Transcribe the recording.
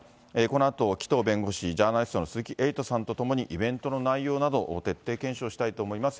このあと紀藤弁護士、ジャーナリストの鈴木エイトさんと共にイベントの内容などを徹底検証したいと思います。